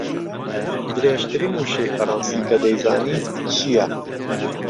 درێژترین وشەی فەڕەنسی کە دەیزانیت چییە؟